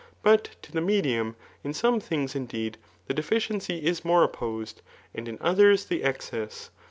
But to the medium, in some things, indeed, the deficiency is more opposed, and in others the excess.